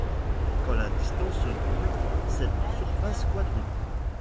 Quand la distance double, cette surface quadruple.